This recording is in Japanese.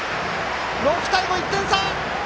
６対５、１点差！